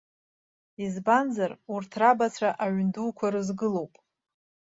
Избанзар, урҭ рабацәа аҩн дуқәа рызгылоуп.